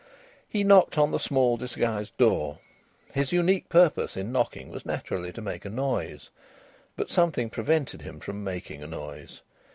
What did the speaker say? He knocked on the small disguised door. His unique purpose in knocking was naturally to make a noise, but something prevented him from making a noise.